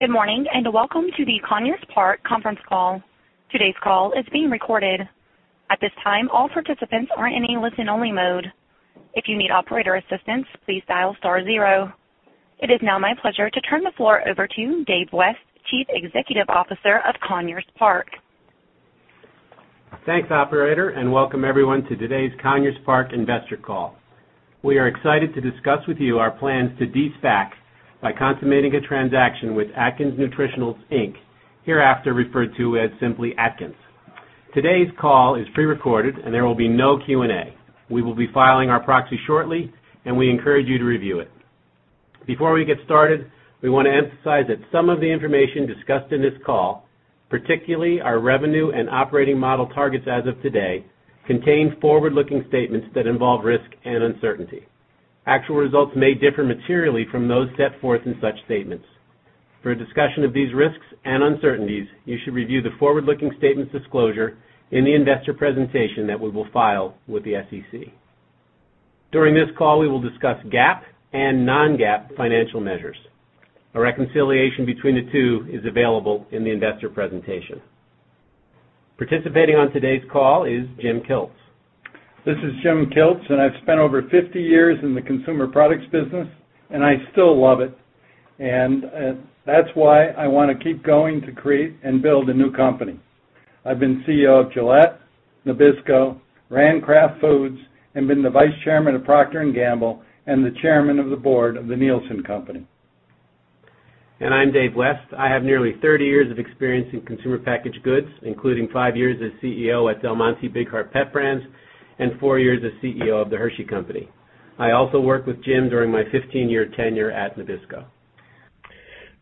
Good morning, welcome to the Conyers Park conference call. Today's call is being recorded. At this time, all participants are in a listen-only mode. If you need operator assistance, please dial star zero. It is now my pleasure to turn the floor over to Dave West, Chief Executive Officer of Conyers Park. Thanks, operator, welcome everyone to today's Conyers Park investor call. We are excited to discuss with you our plans to de-SPAC by consummating a transaction with Atkins Nutritionals, Inc., hereafter referred to as simply Atkins. Today's call is prerecorded. There will be no Q&A. We will be filing our proxy shortly. We encourage you to review it. Before we get started, we want to emphasize that some of the information discussed in this call, particularly our revenue and operating model targets as of today, contain forward-looking statements that involve risk and uncertainty. Actual results may differ materially from those set forth in such statements. For a discussion of these risks and uncertainties, you should review the forward-looking statements disclosure in the investor presentation that we will file with the SEC. During this call, we will discuss GAAP and non-GAAP financial measures. A reconciliation between the two is available in the investor presentation. Participating on today's call is Jim Kilts. This is Jim Kilts. I've spent over 50 years in the consumer products business. I still love it. That's why I want to keep going to create and build a new company. I've been CEO of Gillette, Nabisco, ran Kraft Foods, and been the Vice Chairman of Procter & Gamble and the Chairman of the Board of The Nielsen Company. I'm Dave West. I have nearly 30 years of experience in consumer packaged goods, including five years as CEO at Del Monte Big Heart Pet Brands and four years as CEO of The Hershey Company. I also worked with Jim during my 15-year tenure at Nabisco.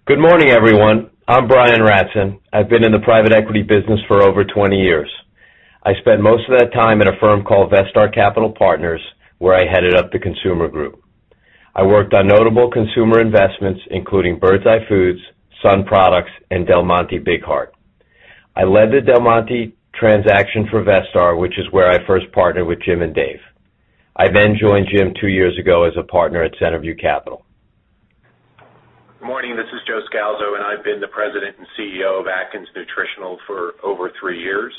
Good morning, everyone. I'm Brian Ratzan. I've been in the private equity business for over 20 years. I spent most of that time at a firm called Vestar Capital Partners, where I headed up the consumer group. I worked on notable consumer investments including Birds Eye Foods, Sun Products, and Del Monte Big Heart. I led the Del Monte transaction for Vestar, which is where I first partnered with Jim and Dave. Joined Jim two years ago as a partner at Centerview Capital. Morning, this is Joe Scalzo. I've been the President and CEO of Atkins Nutritionals for over three years.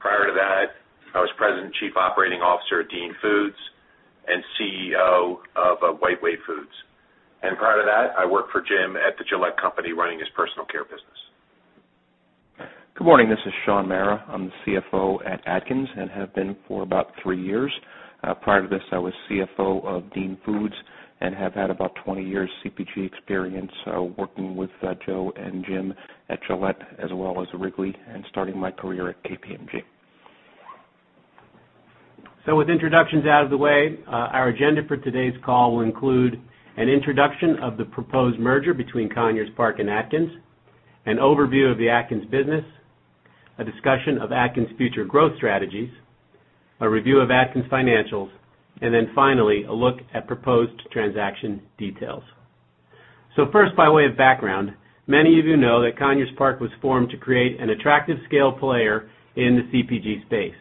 Prior to that, I was President and Chief Operating Officer at Dean Foods and CEO of WhiteWave Foods. Prior to that, I worked for Jim at Gillette, running his personal care business. Good morning. This is Shaun Mara. I'm the CFO at Atkins and have been for about three years. Prior to this, I was CFO of Dean Foods and have had about 20 years CPG experience working with Joe and Jim at Gillette, as well as Wrigley, starting my career at KPMG. With introductions out of the way, our agenda for today's call will include an introduction of the proposed merger between Conyers Park and Atkins, an overview of the Atkins business, a discussion of Atkins' future growth strategies, a review of Atkins' financials, and finally, a look at proposed transaction details. First, by way of background, many of you know that Conyers Park was formed to create an attractive scale player in the CPG space.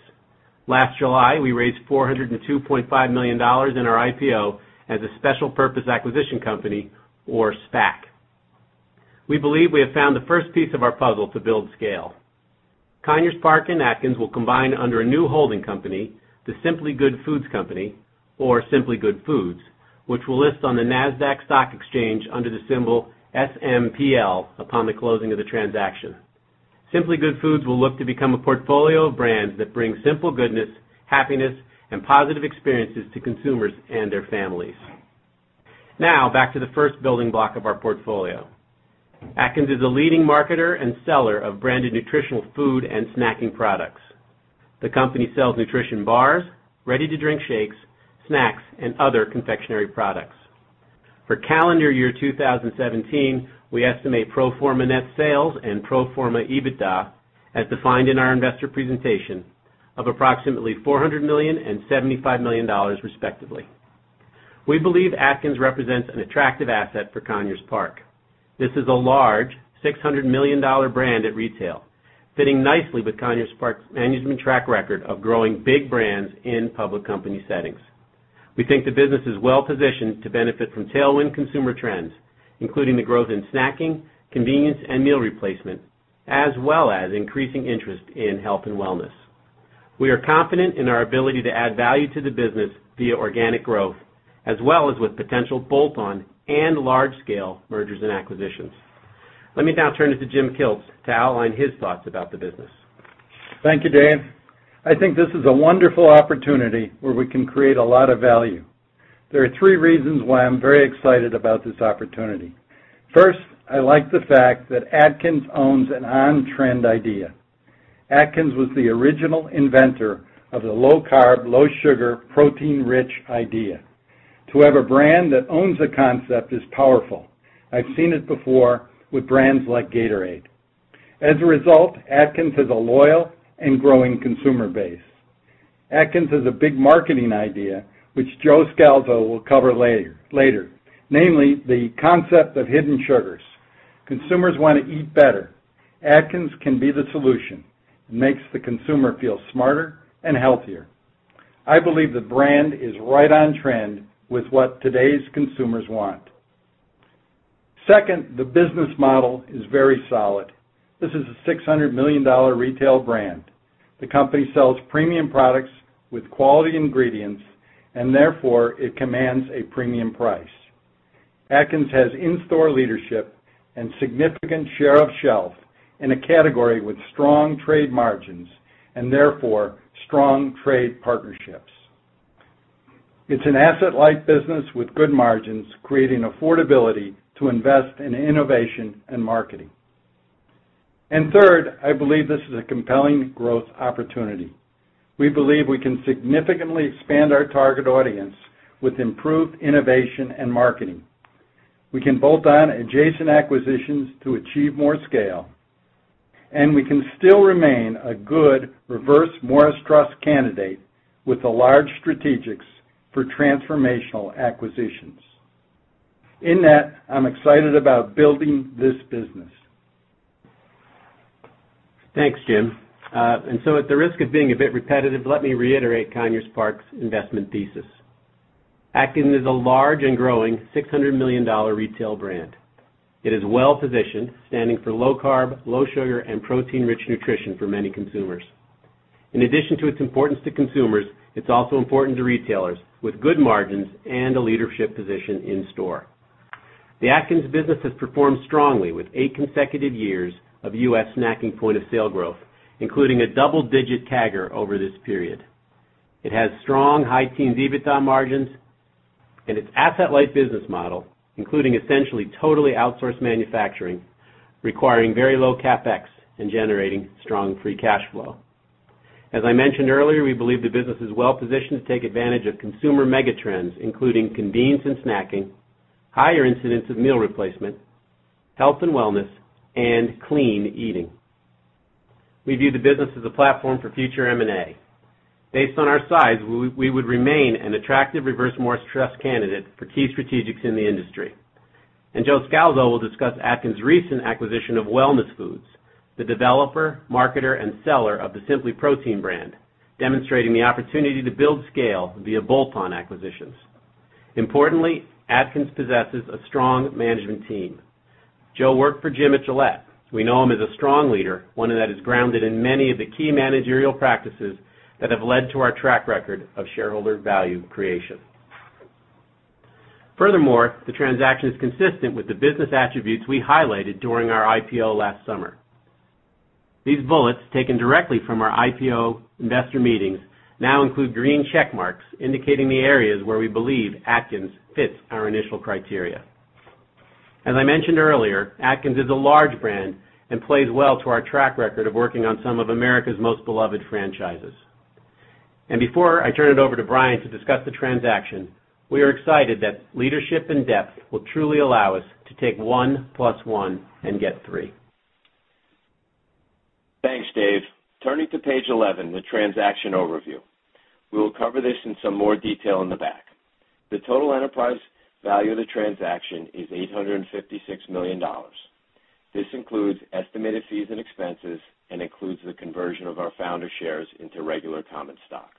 Last July, we raised $402.5 million in our IPO as a special purpose acquisition company or SPAC. We believe we have found the first piece of our puzzle to build scale. Conyers Park and Atkins will combine under a new holding company, The Simply Good Foods Company, or Simply Good Foods, which will list on the Nasdaq stock exchange under the symbol SMPL upon the closing of the transaction. Simply Good Foods will look to become a portfolio of brands that bring simple goodness, happiness, and positive experiences to consumers and their families. Back to the first building block of our portfolio. Atkins is a leading marketer and seller of branded nutritional food and snacking products. The company sells nutrition bars, ready-to-drink shakes, snacks, and other confectionery products. For calendar year 2017, we estimate pro forma net sales and pro forma EBITDA as defined in our investor presentation of approximately $400 million and $75 million respectively. We believe Atkins represents an attractive asset for Conyers Park. This is a large, $600 million brand at retail, fitting nicely with Conyers Park's management track record of growing big brands in public company settings. We think the business is well-positioned to benefit from tailwind consumer trends, including the growth in snacking, convenience, and meal replacement, as well as increasing interest in health and wellness. We are confident in our ability to add value to the business via organic growth, as well as with potential bolt-on and large-scale mergers and acquisitions. Turn it to Jim Kilts to outline his thoughts about the business. Thank you, Dave. I think this is a wonderful opportunity where we can create a lot of value. There are three reasons why I'm very excited about this opportunity. First, I like the fact that Atkins owns an on-trend idea. Atkins was the original inventor of the low-carb, low-sugar, protein-rich idea. To have a brand that owns a concept is powerful. I've seen it before with brands like Gatorade. As a result, Atkins has a loyal and growing consumer base. Atkins has a big marketing idea, which Joseph Scalzo will cover later. Namely, the concept of hidden sugars. Consumers want to eat better. Atkins can be the solution. It makes the consumer feel smarter and healthier. I believe the brand is right on trend with what today's consumers want. Second, the business model is very solid. This is a $600 million retail brand. The company sells premium products with quality ingredients, therefore, it commands a premium price. Atkins has in-store leadership and significant share of shelf in a category with strong trade margins, therefore, strong trade partnerships. It's an asset-light business with good margins, creating affordability to invest in innovation and marketing. Third, I believe this is a compelling growth opportunity. We believe we can significantly expand our target audience with improved innovation and marketing. We can bolt on adjacent acquisitions to achieve more scale, we can still remain a good Reverse Morris Trust candidate with the large strategics for transformational acquisitions. In that, I'm excited about building this business. Thanks, Jim. So at the risk of being a bit repetitive, let me reiterate Conyers Park's investment thesis. Atkins is a large and growing $600 million retail brand. It is well-positioned, standing for low-carb, low-sugar, and protein-rich nutrition for many consumers. In addition to its importance to consumers, it's also important to retailers with good margins and a leadership position in-store. The Atkins business has performed strongly with eight consecutive years of U.S. snacking point-of-sale growth, including a double-digit CAGR over this period. It has strong high teens EBITDA margins and its asset-light business model, including essentially totally outsourced manufacturing, requiring very low CapEx and generating strong free cash flow. As I mentioned earlier, we believe the business is well-positioned to take advantage of consumer mega trends, including convenience and snacking, higher incidents of meal replacement, health and wellness, and clean eating. We view the business as a platform for future M&A. Based on our size, we would remain an attractive Reverse Morris Trust candidate for key strategics in the industry. Joe Scalzo will discuss Atkins' recent acquisition of Wellness Foods, the developer, marketer, and seller of the SimplyProtein brand, demonstrating the opportunity to build scale via bolt-on acquisitions. Importantly, Atkins possesses a strong management team. Joe worked for Jim at Gillette. We know him as a strong leader, one that is grounded in many of the key managerial practices that have led to our track record of shareholder value creation. Furthermore, the transaction is consistent with the business attributes we highlighted during our IPO last summer. These bullets, taken directly from our IPO investor meetings, now include green check marks indicating the areas where we believe Atkins fits our initial criteria. As I mentioned earlier, Atkins is a large brand plays well to our track record of working on some of America's most beloved franchises. Before I turn it over to Brian to discuss the transaction, we are excited that leadership and depth will truly allow us to take one plus one and get three. Thanks, Dave. Turning to page 11, the transaction overview. We will cover this in some more detail in the back. The total enterprise value of the transaction is $856 million. This includes estimated fees and expenses and includes the conversion of our founder shares into regular common stock.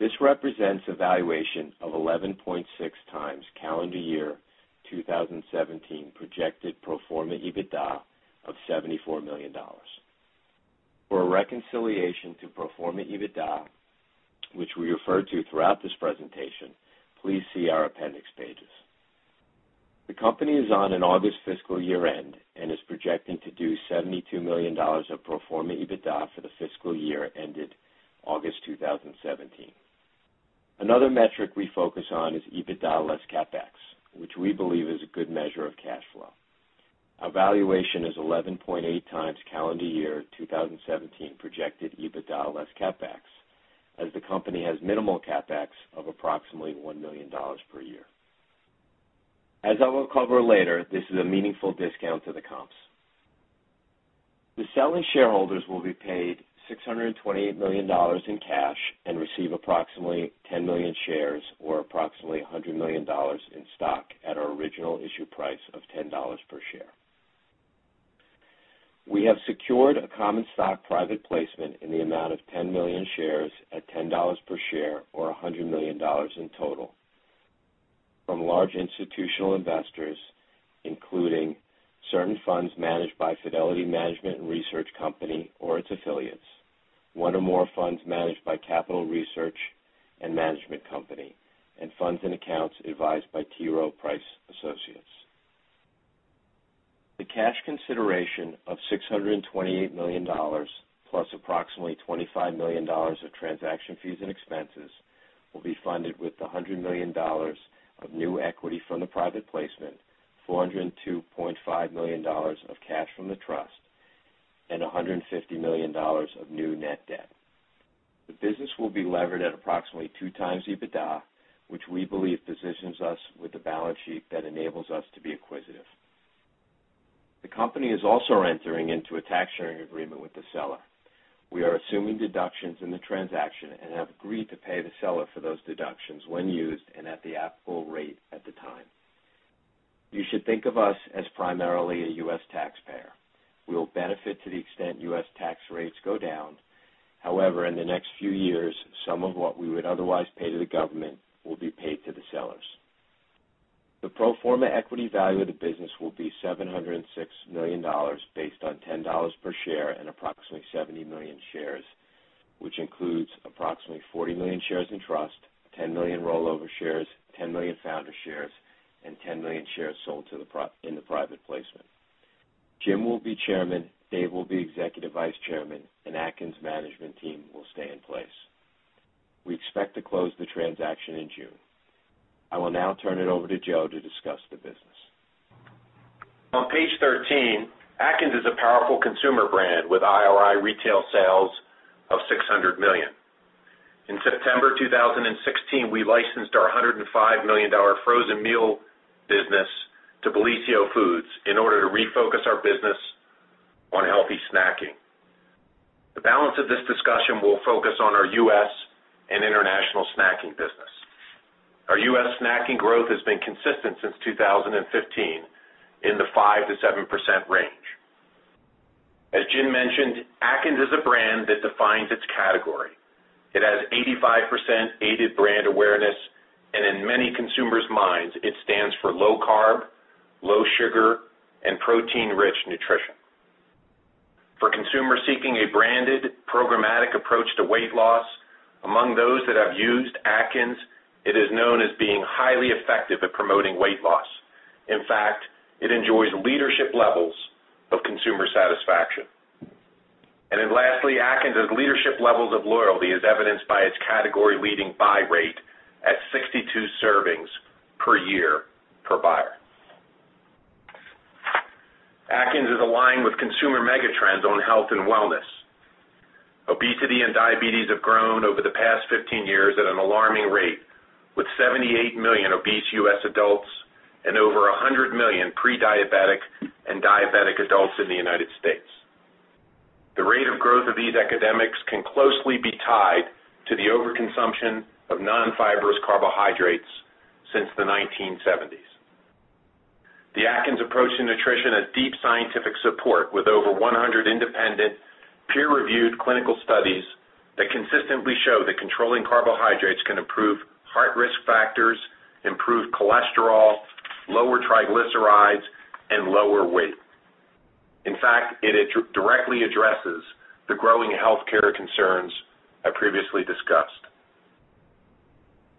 This represents a valuation of 11.6 times calendar year 2017 projected pro forma EBITDA of $74 million. For a reconciliation to pro forma EBITDA, which we refer to throughout this presentation, please see our appendix pages. The company is on an August fiscal year-end and is projecting to do $72 million of pro forma EBITDA for the fiscal year ended August 2017. Another metric we focus on is EBITDA less CapEx, which we believe is a good measure of cash flow. Our valuation is 11.8 times calendar year 2017 projected EBITDA less CapEx, as the company has minimal CapEx of approximately $1 million per year. As I will cover later, this is a meaningful discount to the comps. The selling shareholders will be paid $628 million in cash and receive approximately 10 million shares or approximately $100 million in stock at our original issue price of $10 per share. We have secured a common stock private placement in the amount of 10 million shares at $10 per share or $100 million in total from large institutional investors, including certain funds managed by Fidelity Management & Research Company or its affiliates, one or more funds managed by Capital Research and Management Company, and funds and accounts advised by T. Rowe Price Associates. The cash consideration of $628 million, plus approximately $25 million of transaction fees and expenses, will be funded with the $100 million of new equity from the private placement, $402.5 million of cash from the trust, and $150 million of new net debt. The business will be levered at approximately two times EBITDA, which we believe positions us with a balance sheet that enables us to be acquisitive. The company is also entering into a tax sharing agreement with the seller. We are assuming deductions in the transaction and have agreed to pay the seller for those deductions when used and at the applicable rate at the time. You should think of us as primarily a U.S. taxpayer. We will benefit to the extent U.S. tax rates go down. However, in the next few years, some of what we would otherwise pay to the government will be paid to the sellers. The pro forma equity value of the business will be $706 million based on $10 per share and approximately 70 million shares, which includes approximately 40 million shares in trust, 10 million rollover shares, 10 million founder shares, and 10 million shares sold in the private placement. Jim will be chairman, Dave will be executive vice chairman, and Atkins' management team will stay in place. We expect to close the transaction in June. I will now turn it over to Joe to discuss the business. On page 13, Atkins is a powerful consumer brand with IRI retail sales of $600 million. In September 2016, we licensed our $105 million frozen meal business to Bellisio Foods in order to refocus our business on healthy snacking. The balance of this discussion will focus on our U.S. and international snacking business. Our U.S. snacking growth has been consistent since 2015 in the 5%-7% range. As Jim mentioned, Atkins is a brand that defines its category. It has 85% aided brand awareness, and in many consumers' minds, it stands for low carb, low sugar, and protein-rich nutrition. For consumers seeking a branded, programmatic approach to weight loss, among those that have used Atkins, it is known as being highly effective at promoting weight loss. In fact, it enjoys leadership levels of consumer satisfaction. Lastly, Atkins has leadership levels of loyalty, as evidenced by its category-leading buy rate at 62 servings per year per buyer. Atkins is aligned with consumer megatrends on health and wellness. Obesity and diabetes have grown over the past 15 years at an alarming rate, with 78 million obese U.S. adults and over 100 million pre-diabetic and diabetic adults in the United States. The rate of growth of these epidemics can closely be tied to the overconsumption of non-fibrous carbohydrates since the 1970s. The Atkins approach to nutrition has deep scientific support, with over 100 independent, peer-reviewed clinical studies that consistently show that controlling carbohydrates can improve heart risk factors, improve cholesterol, lower triglycerides, and lower weight. In fact, it directly addresses the growing healthcare concerns I previously discussed.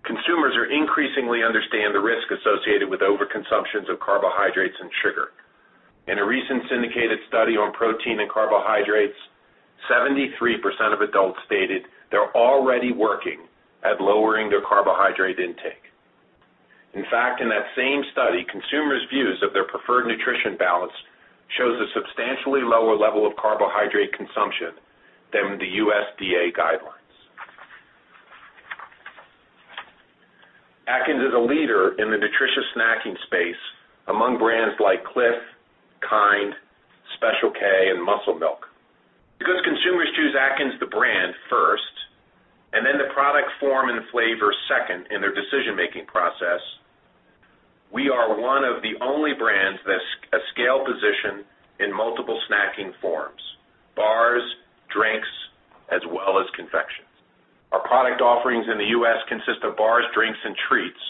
Consumers are increasingly understand the risk associated with overconsumptions of carbohydrates and sugar. In a recent syndicated study on protein and carbohydrates, 73% of adults stated they're already working at lowering their carbohydrate intake. In fact, in that same study, consumers' views of their preferred nutrition balance shows a substantially lower level of carbohydrate consumption than the USDA guidelines. Atkins is a leader in the nutritious snacking space among brands like Clif, KIND, Special K, and Muscle Milk. Because consumers choose Atkins the brand first, and then the product form and flavor second in their decision-making process, we are one of the only brands that scale position in multiple snacking forms: bars, drinks, as well as confections. Our product offerings in the U.S. consist of bars, drinks, and treats,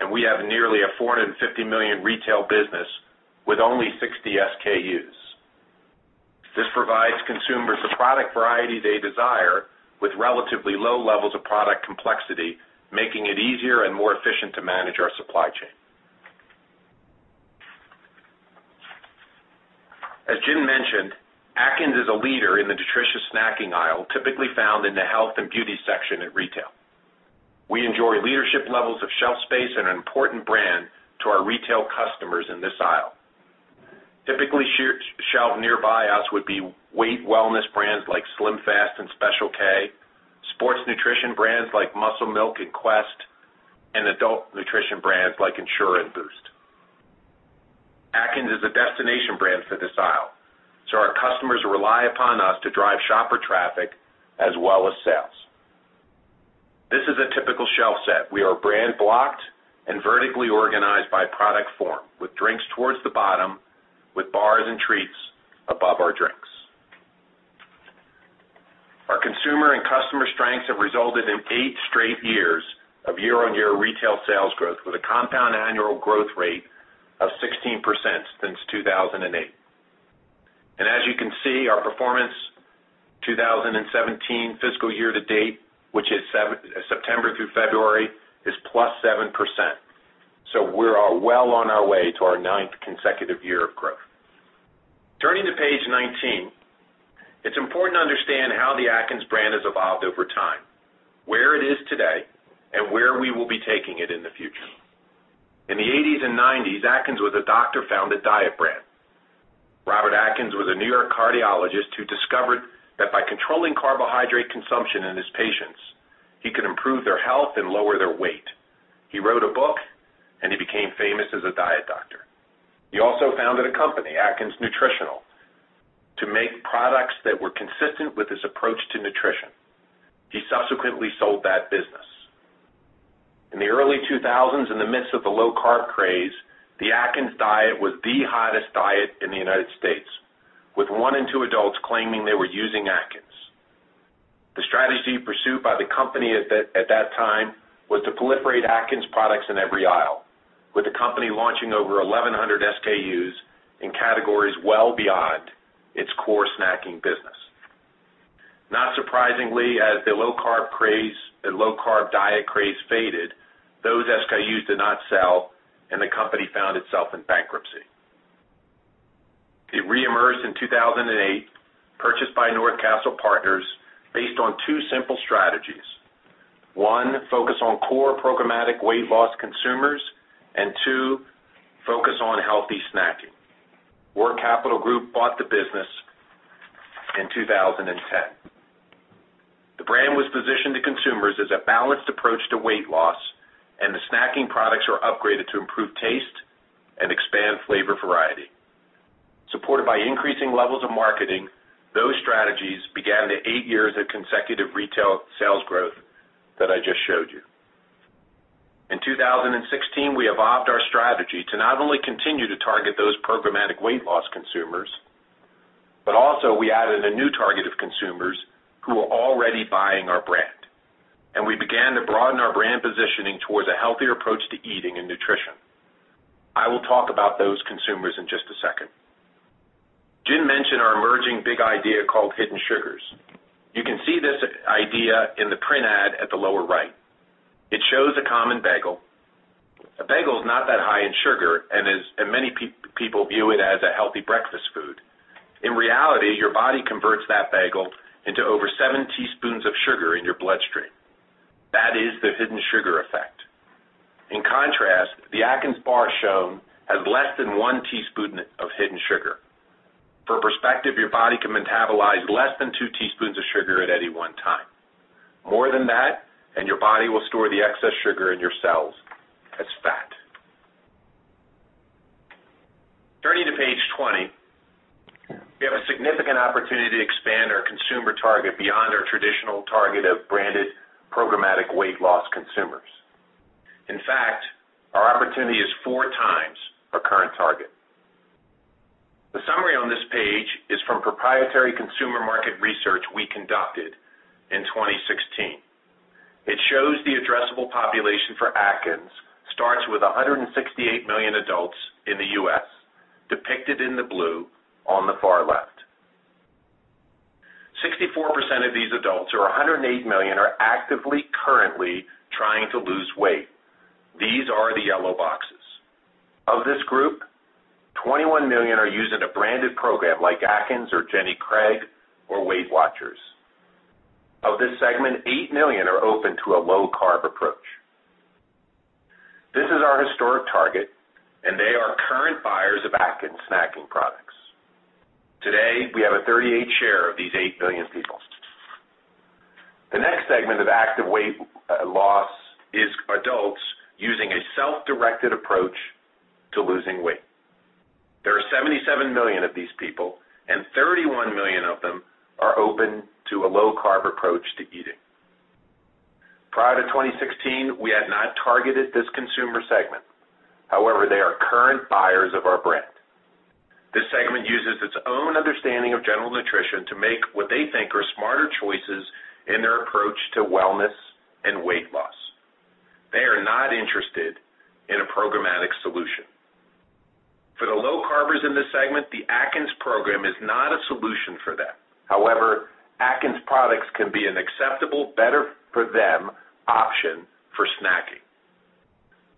and we have nearly a $450 million retail business with only 60 SKUs. This provides consumers the product variety they desire with relatively low levels of product complexity, making it easier and more efficient to manage our supply chain. As Jim mentioned, Atkins is a leader in the nutritious snacking aisle, typically found in the health and beauty section in retail. We enjoy leadership levels of shelf space and an important brand to our retail customers in this aisle. Typically, shelved nearby us would be weight wellness brands like SlimFast and Special K, sports nutrition brands like Muscle Milk and Quest, and adult nutrition brands like Ensure and Boost. Atkins is a destination brand for this aisle, so our customers rely upon us to drive shopper traffic as well as sales. This is a typical shelf set. We are brand blocked and vertically organized by product form, with drinks towards the bottom, with bars and treats above our drinks. Our consumer and customer strengths have resulted in eight straight years of year-on-year retail sales growth, with a compound annual growth rate of 16% since 2008. As you can see, our performance 2017 fiscal year to date, which is September through February, is +7%. We are well on our way to our ninth consecutive year of growth. Turning to page 19, it's important to understand how the Atkins brand has evolved over time, where it is today, and where we will be taking it in the future. In the 1980s and 1990s, Atkins was a doctor-founded diet brand. Robert Atkins was a New York cardiologist who discovered that by controlling carbohydrate consumption in his patients, he could improve their health and lower their weight. He wrote a book, and he became famous as a diet doctor. He also founded a company, Atkins Nutritionals. To make products that were consistent with his approach to nutrition. He subsequently sold that business. In the early 2000s, in the midst of the low-carb craze, the Atkins diet was the hottest diet in the U.S., with one in two adults claiming they were using Atkins. The strategy pursued by the company at that time was to proliferate Atkins products in every aisle, with the company launching over 1,100 SKUs in categories well beyond its core snacking business. Not surprisingly, as the low-carb diet craze faded, those SKUs did not sell, and the company found itself in bankruptcy. It reemerged in 2008, purchased by North Castle Partners, based on two simple strategies. One, focus on core programmatic weight loss consumers, and two, focus on healthy snacking. Roark Capital Group bought the business in 2010. The brand was positioned to consumers as a balanced approach to weight loss, and the snacking products were upgraded to improve taste and expand flavor variety. Supported by increasing levels of marketing, those strategies began the eight years of consecutive retail sales growth that I just showed you. In 2016, we evolved our strategy to not only continue to target those programmatic weight loss consumers, but also we added a new target of consumers who were already buying our brand, and we began to broaden our brand positioning towards a healthier approach to eating and nutrition. I will talk about those consumers in just a second. Jim mentioned our emerging big idea called Hidden Sugar. You can see this idea in the print ad at the lower right. It shows a common bagel. A bagel is not that high in sugar and many people view it as a healthy breakfast food. In reality, your body converts that bagel into over seven teaspoons of sugar in your bloodstream. That is the Hidden Sugar effect. In contrast, the Atkins bar shown has less than one teaspoon of hidden sugar. For perspective, your body can metabolize less than two teaspoons of sugar at any one time. More than that, and your body will store the excess sugar in your cells as fat. Turning to page 20, we have a significant opportunity to expand our consumer target beyond our traditional target of branded programmatic weight loss consumers. In fact, our opportunity is four times our current target. The summary on this page is from proprietary consumer market research we conducted in 2016. It shows the addressable population for Atkins starts with 168 million adults in the U.S., depicted in the blue on the far left. 64% of these adults, or 108 million, are actively currently trying to lose weight. These are the yellow boxes. Of this group, 21 million are using a branded program like Atkins or Jenny Craig or Weight Watchers. Of this segment, eight million are open to a low-carb approach. This is our historic target, and they are current buyers of Atkins snacking products. Today, we have a 38% share of these eight million people. The next segment of active weight loss is adults using a self-directed approach to losing weight. There are 77 million of these people, and 31 million of them are open to a low-carb approach to eating. Prior to 2016, we had not targeted this consumer segment. They are current buyers of our brand. This segment uses its own understanding of general nutrition to make what they think are smarter choices in their approach to wellness and weight loss. They are not interested in a programmatic solution. For the low carbers in this segment, the Atkins program is not a solution for them. Atkins products can be an acceptable, better for them, option for snacking.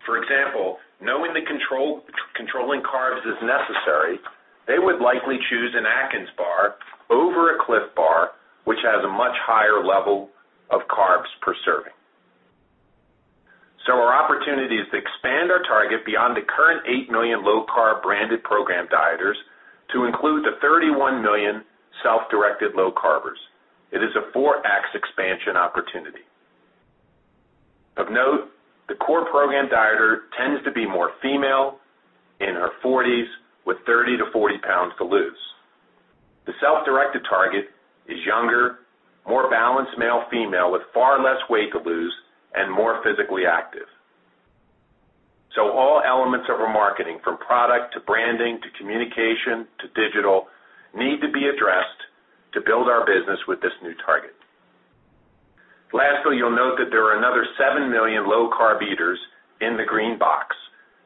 For example, knowing that controlling carbs is necessary, they would likely choose an Atkins bar over a Clif Bar, which has a much higher level of carbs per serving. Our opportunity is to expand our target beyond the current eight million low-carb branded program dieters to include the 31 million self-directed low carbers. It is a 4x expansion opportunity. Of note, the core program dieter tends to be more female, in her 40s, with 30 to 40 pounds to lose. The self-directed target is younger, more balanced male, female, with far less weight to lose and more physically active. All elements of our marketing, from product to branding, to communication to digital, need to be addressed to build our business with this new target. Lastly, you'll note that there are another seven million low-carb eaters in the green box,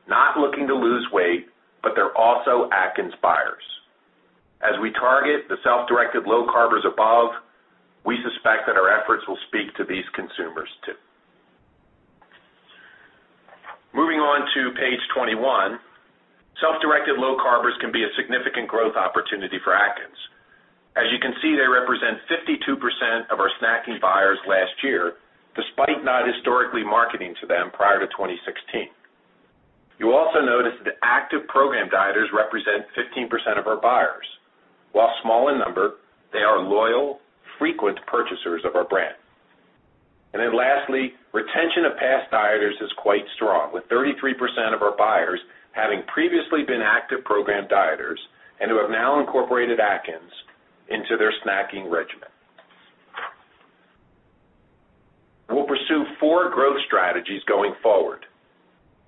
not looking to lose weight, but they're also Atkins buyers. As we target the self-directed low carbers above, we suspect that our efforts will speak to these consumers, too. Moving on to page 21. Self-directed low carbers can be a significant growth opportunity for Atkins. As you can see, they represent 52% of our snacking buyers last year, despite not historically marketing to them prior to 2016. You'll also notice that active program dieters represent 15% of our buyers. While small in number, they are loyal, frequent purchasers of our brand. Finally, retention of past dieters is quite strong, with 33% of our buyers having previously been active program dieters and who have now incorporated Atkins into their snacking regimen. We'll pursue four growth strategies going forward.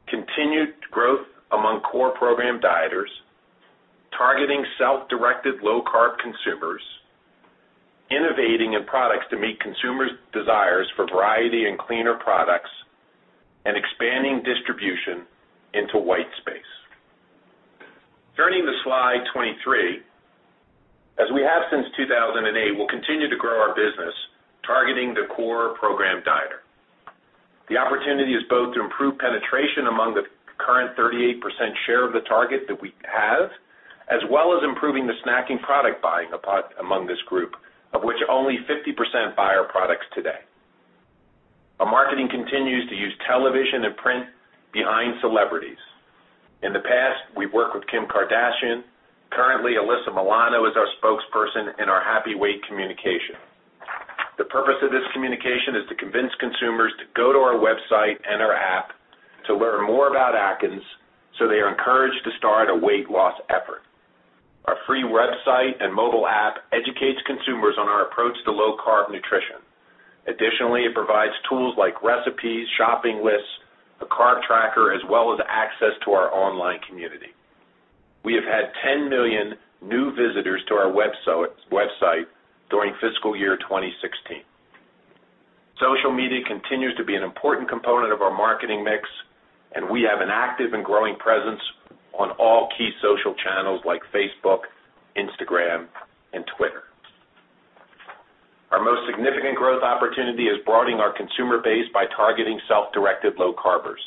Continued growth among core program dieters, targeting self-directed low-carb consumers, innovating in products to meet consumers' desires for variety and cleaner products, and expanding distribution into white space. Turning to slide 23, as we have since 2008, we'll continue to grow our business targeting the core program dieter. The opportunity is both to improve penetration among the current 38% share of the target that we have, as well as improving the snacking product buying among this group, of which only 50% buy our products today. Our marketing continues to use television and print behind celebrities. In the past, we have worked with Kim Kardashian. Currently, Alyssa Milano is our spokesperson in our Happy Weight communication. The purpose of this communication is to convince consumers to go to our website and our app to learn more about Atkins so they are encouraged to start a weight loss effort. Our free website and mobile app educates consumers on our approach to low-carb nutrition. Additionally, it provides tools like recipes, shopping lists, a carb tracker, as well as access to our online community. We have had 10 million new visitors to our website during fiscal year 2016. Social media continues to be an important component of our marketing mix, and we have an active and growing presence on all key social channels like Facebook, Instagram, and Twitter. Our most significant growth opportunity is broadening our consumer base by targeting self-directed low carbers.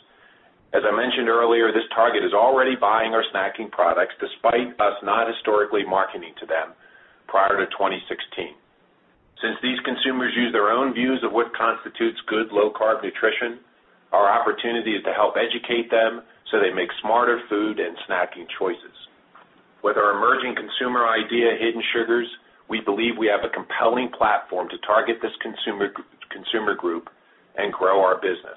As I mentioned earlier, this target is already buying our snacking products despite us not historically marketing to them prior to 2016. Since these consumers use their own views of what constitutes good low-carb nutrition, our opportunity is to help educate them so they make smarter food and snacking choices. With our emerging consumer idea, Hidden Sugar, we believe we have a compelling platform to target this consumer group and grow our business.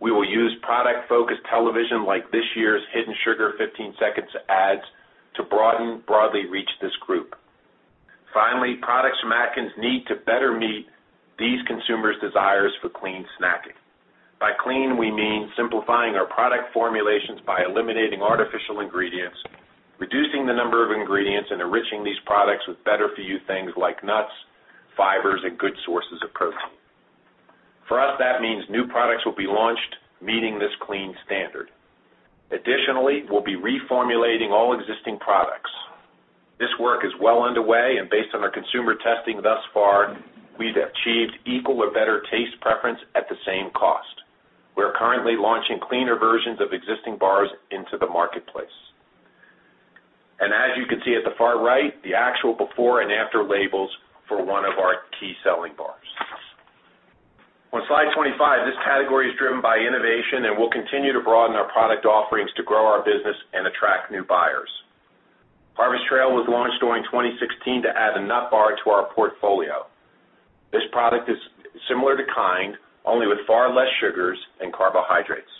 We will use product-focused television like this year's Hidden Sugar 15-second ads to broadly reach this group. Finally, products from Atkins need to better meet these consumers' desires for clean snacking. By clean, we mean simplifying our product formulations by eliminating artificial ingredients, reducing the number of ingredients, and enriching these products with better-for-you things like nuts, fibers, and good sources of protein. For us, that means new products will be launched meeting this clean standard. Additionally, we will be reformulating all existing products. This work is well underway, and based on our consumer testing thus far, we have achieved equal or better taste preference at the same cost. We are currently launching cleaner versions of existing bars into the marketplace. As you can see at the far right, the actual before and after labels for one of our key selling bars. On slide 25, this category is driven by innovation, and we will continue to broaden our product offerings to grow our business and attract new buyers. Harvest Trail was launched during 2016 to add a nut bar to our portfolio. This product is similar to KIND, only with far less sugars and carbohydrates.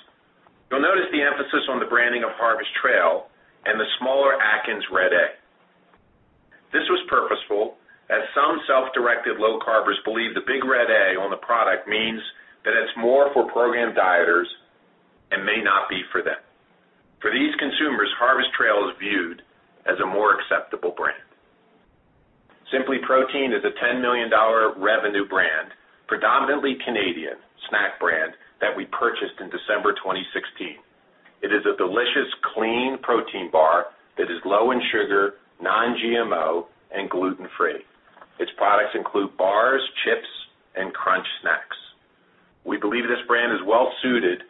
You will notice the emphasis on the branding of Harvest Trail and the smaller Atkins red A. This was purposeful, as some self-directed low carbers believe the big red A on the product means that it is more for program dieters and may not be for them. For these consumers, Harvest Trail is viewed as a more acceptable brand. SimplyProtein is a $10 million revenue brand, predominantly Canadian snack brand that we purchased in December 2016. It is a delicious, clean protein bar that is low in sugar, non-GMO, and gluten-free. Its products include bars, chips, and crunch snacks. We believe this brand is well suited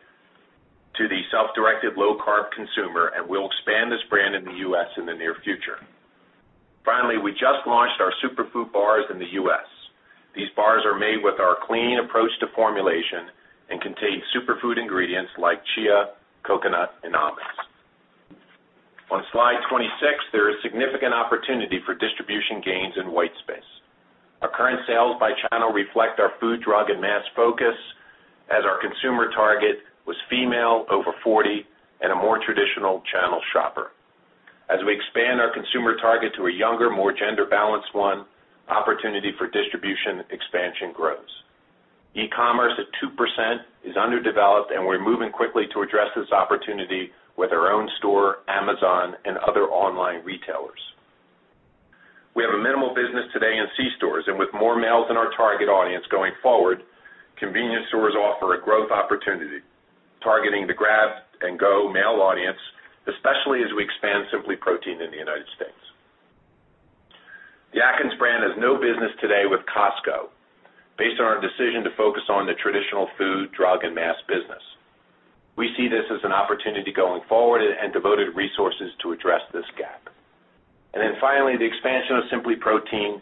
to the self-directed low-carb consumer, and we will expand this brand in the U.S. in the near future. Finally, we just launched our SuperFood bars in the U.S. These bars are made with our clean approach to formulation and contain superfood ingredients like chia, coconut, and almonds. On slide 26, there is significant opportunity for distribution gains in white space. Our current sales by channel reflect our food, drug, and mass focus as our consumer target was female, over 40, and a more traditional channel shopper. As we expand our consumer target to a younger, more gender-balanced one, opportunity for distribution expansion grows. E-commerce at 2% is underdeveloped, and we're moving quickly to address this opportunity with our own store, Amazon, and other online retailers. We have a minimal business today in c-stores, and with more males in our target audience going forward, convenience stores offer a growth opportunity, targeting the grab-and-go male audience, especially as we expand SimplyProtein in the United States. The Atkins brand has no business today with Costco, based on our decision to focus on the traditional food, drug, and mass business. We see this as an opportunity going forward and devoted resources to address this gap. Finally, the expansion of SimplyProtein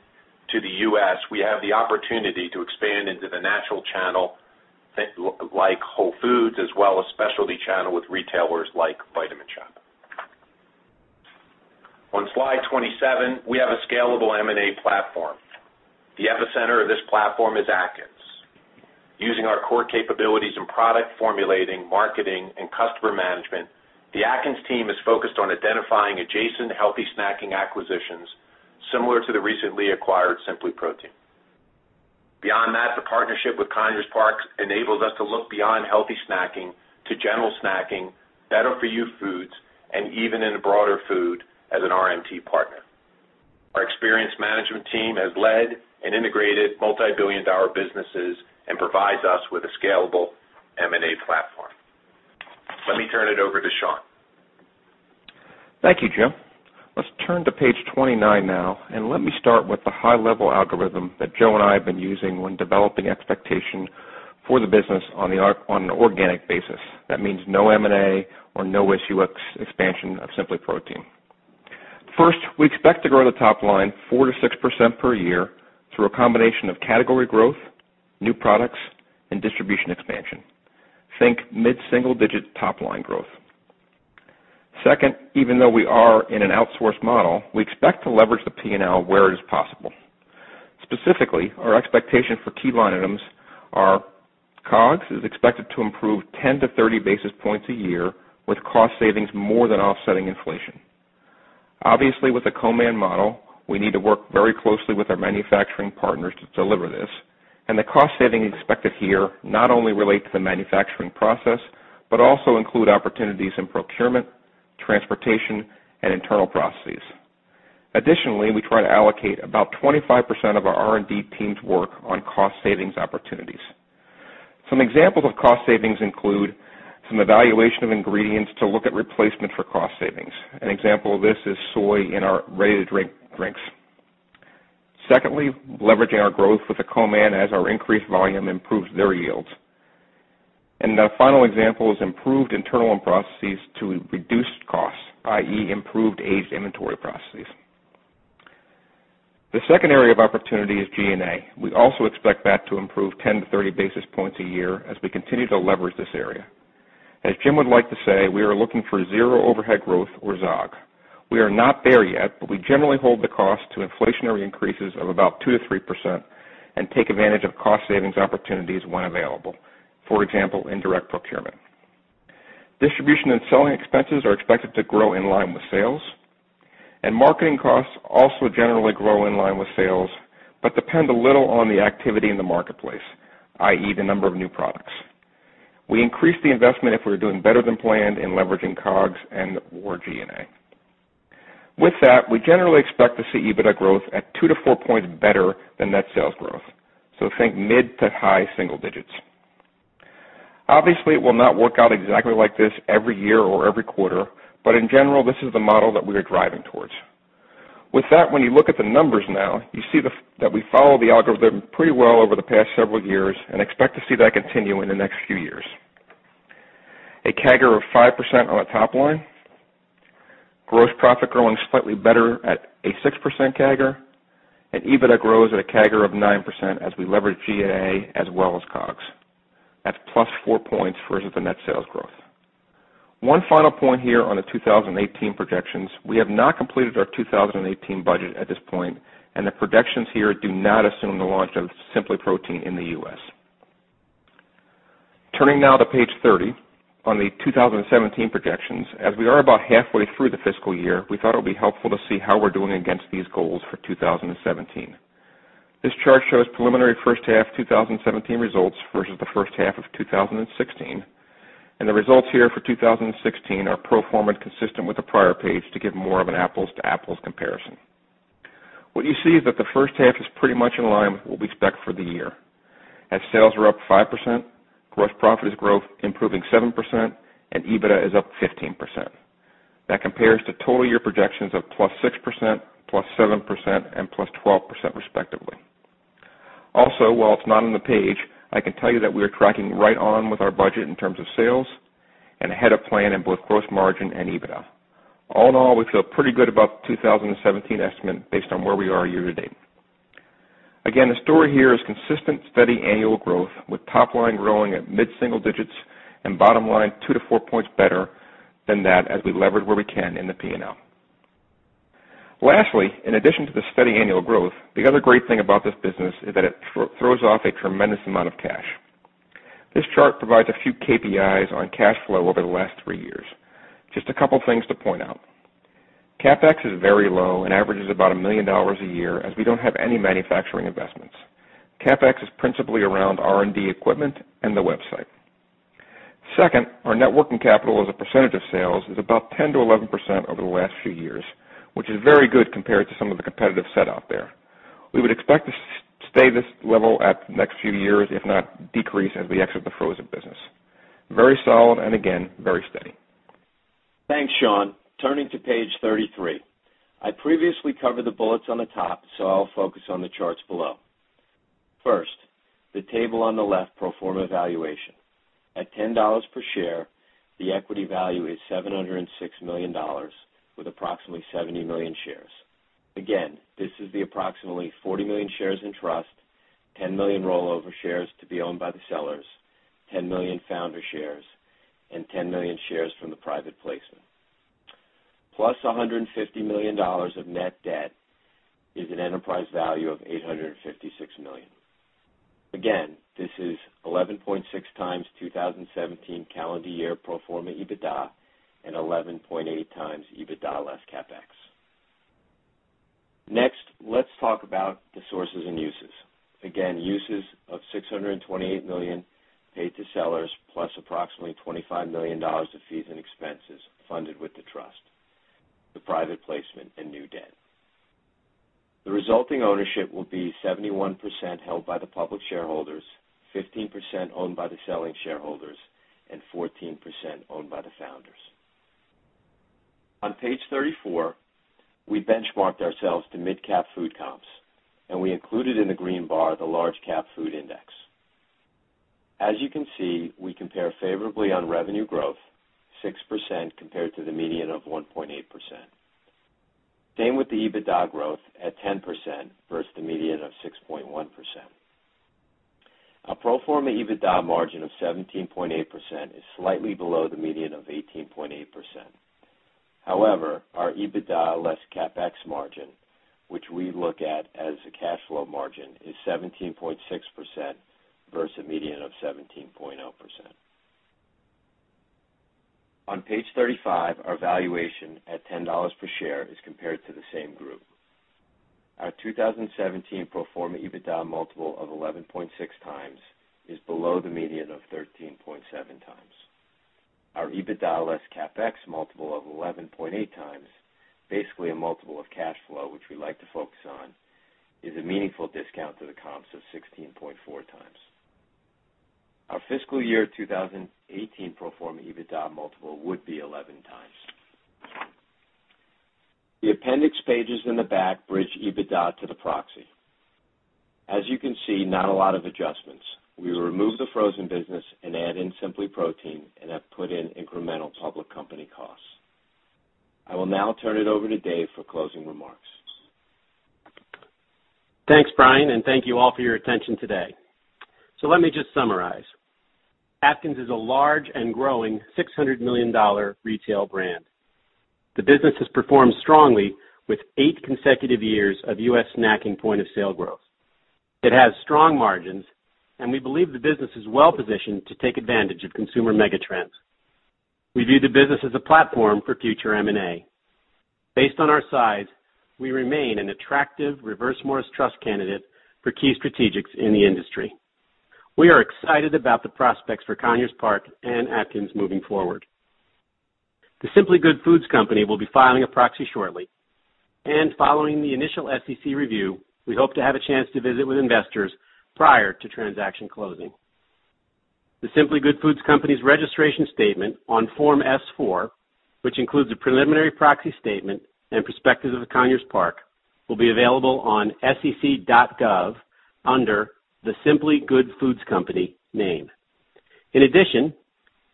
to the U.S. We have the opportunity to expand into the natural channel like Whole Foods, as well as specialty channel with retailers like Vitamin Shoppe. On slide 27, we have a scalable M&A platform. The epicenter of this platform is Atkins. Using our core capabilities in product formulating, marketing, and customer management, the Atkins team is focused on identifying adjacent healthy snacking acquisitions similar to the recently acquired SimplyProtein. Beyond that, the partnership with Conyers Park enables us to look beyond healthy snacking to general snacking, better for you foods, and even into broader food as an RMT partner. Our experienced management team has led and integrated multibillion-dollar businesses and provides us with a scalable M&A platform. Let me turn it over to Shaun. Thank you, Jim. Let's turn to page 29 now. Let me start with the high-level algorithm that Joe and I have been using when developing expectation for the business on an organic basis. That means no M&A or no issue expansion of SimplyProtein. First, we expect to grow the top line 4%-6% per year through a combination of category growth, new products, and distribution expansion. Think mid-single-digit top-line growth. Second, even though we are in an outsourced model, we expect to leverage the P&L where it is possible. Specifically, our expectation for key line items are: COGS is expected to improve 10 to 30 basis points a year with cost savings more than offsetting inflation. Obviously, with a co-man model, we need to work very closely with our manufacturing partners to deliver this, the cost saving expected here not only relate to the manufacturing process, but also include opportunities in procurement, transportation, and internal processes. Additionally, we try to allocate about 25% of our R&D team's work on cost savings opportunities. Some examples of cost savings include some evaluation of ingredients to look at replacement for cost savings. An example of this is soy in our ready-to-drink drinks. Secondly, leveraging our growth with a co-man as our increased volume improves their yields. The final example is improved internal processes to reduce costs, i.e., improved aged inventory processes. The second area of opportunity is G&A. We also expect that to improve 10 to 30 basis points a year as we continue to leverage this area. As Jim would like to say, we are looking for zero overhead growth or ZOG. We are not there yet, we generally hold the cost to inflationary increases of about 2% to 3% and take advantage of cost savings opportunities when available, for example, in direct procurement. Distribution and selling expenses are expected to grow in line with sales, marketing costs also generally grow in line with sales but depend a little on the activity in the marketplace, i.e., the number of new products. We increase the investment if we're doing better than planned in leveraging COGS and/or G&A. We generally expect to see EBITDA growth at 2 to 4 points better than net sales growth. Think mid to high single digits. Obviously, it will not work out exactly like this every year or every quarter, in general, this is the model that we are driving towards. When you look at the numbers now, you see that we follow the algorithm pretty well over the past several years and expect to see that continue in the next few years. A CAGR of 5% on the top line, gross profit growing slightly better at a 6% CAGR, EBITDA grows at a CAGR of 9% as we leverage G&A as well as COGS. That's +4 points versus the net sales growth. One final point here on the 2018 projections. We have not completed our 2018 budget at this point, the projections here do not assume the launch of SimplyProtein in the U.S. Turning now to page 30 on the 2017 projections. As we are about halfway through the fiscal year, we thought it would be helpful to see how we're doing against these goals for 2017. This chart shows preliminary first half 2017 results versus the first half of 2016, the results here for 2016 are pro forma consistent with the prior page to give more of an apples-to-apples comparison. What you see is that the first half is pretty much in line with what we expect for the year. Sales are up 5%, gross profit is growth improving 7%, EBITDA is up 15%. That compares to total year projections of +6%, +7%, and +12%, respectively. While it's not on the page, I can tell you that we are tracking right on with our budget in terms of sales and ahead of plan in both gross margin and EBITDA. All in all, we feel pretty good about the 2017 estimate based on where we are year-to-date. The story here is consistent, steady annual growth with top line growing at mid-single digits and bottom line two to four points better than that as we lever where we can in the P&L. Lastly, in addition to the steady annual growth, the other great thing about this business is that it throws off a tremendous amount of cash. This chart provides a few KPIs on cash flow over the last three years. Just a couple of things to point out. CapEx is very low and averages about $1 million a year as we don't have any manufacturing investments. CapEx is principally around R&D equipment and the website. Second, our net working capital as a percentage of sales is about 10%-11% over the last few years, which is very good compared to some of the competitive set out there. We would expect to stay this level at the next few years, if not decrease as we exit the frozen business. Very solid and again, very steady. Thanks, Shaun. Turning to page 33. I previously covered the bullets on the top, so I'll focus on the charts below. First, the table on the left, pro forma valuation. At $10 per share, the equity value is $706 million with approximately 70 million shares Again, this is the approximately 40 million shares in trust, 10 million rollover shares to be owned by the sellers, 10 million founder shares, and 10 million shares from the private placement. Plus $150 million of net debt is an enterprise value of $856 million. This is 11.6x 2017 calendar year pro forma EBITDA and 11.8x EBITDA less CapEx. Next, let's talk about the sources and uses. Uses of $628 million paid to sellers plus approximately $25 million of fees and expenses funded with the trust, the private placement, and new debt. The resulting ownership will be 71% held by the public shareholders, 15% owned by the selling shareholders, and 14% owned by the founders. On page 34, we benchmarked ourselves to midcap food comps, and we included in the green bar the large cap food index. As you can see, we compare favorably on revenue growth, 6% compared to the median of 1.8%. Same with the EBITDA growth at 10% versus the median of 6.1%. Our pro forma EBITDA margin of 17.8% is slightly below the median of 18.8%. However, our EBITDA less CapEx margin, which we look at as a cash flow margin, is 17.6% versus a median of 17.0%. On page 35, our valuation at $10 per share is compared to the same group. Our 2017 pro forma EBITDA multiple of 11.6 times is below the median of 13.7 times. Our EBITDA less CapEx multiple of 11.8 times, basically a multiple of cash flow, which we like to focus on, is a meaningful discount to the comps of 16.4 times. Our fiscal year 2018 pro forma EBITDA multiple would be 11 times. The appendix pages in the back bridge EBITDA to the proxy. As you can see, not a lot of adjustments. We remove the frozen business and add in SimplyProtein and have put in incremental public company costs. I will now turn it over to Dave for closing remarks. Thanks, Brian, and thank you all for your attention today. Let me just summarize. Atkins is a large and growing $600 million retail brand. The business has performed strongly with eight consecutive years of U.S. snacking point-of-sale growth. It has strong margins, and we believe the business is well-positioned to take advantage of consumer megatrends. We view the business as a platform for future M&A. Based on our size, we remain an attractive Reverse Morris Trust candidate for key strategics in the industry. We are excited about the prospects for Conyers Park and Atkins moving forward. The Simply Good Foods Company will be filing a proxy shortly, and following the initial SEC review, we hope to have a chance to visit with investors prior to transaction closing. The Simply Good Foods Company's registration statement on Form S-4, which includes a preliminary proxy statement and prospectus of Conyers Park, will be available on sec.gov under the Simply Good Foods Company name. In addition,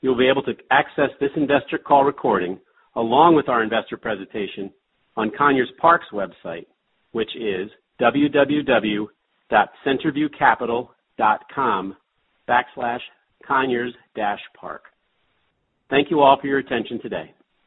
you'll be able to access this investor call recording along with our investor presentation on Conyers Park's website, which is www.centerviewcapital.com/conyers-park. Thank you all for your attention today.